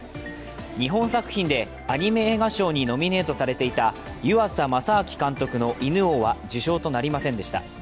日本作品でアニメ映画賞にノミネートされていた湯浅政明監督の「犬王」は受賞となりませんでした。